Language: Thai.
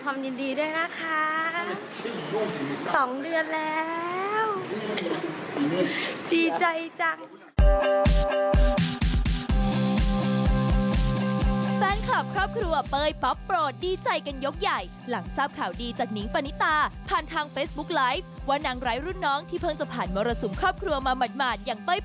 แสดงความยินดีด้วยนะคะ๒เดือนแล้วดีใจจัง